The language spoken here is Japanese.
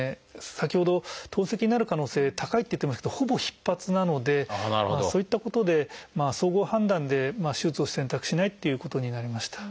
先ほど透析になる可能性高いって言ってましたけどほぼ必発なのでそういったことで総合判断で手術を選択しないっていうことになりました。